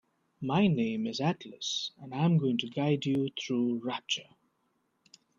My name is Atlas and I'm going to guide you through Rapture.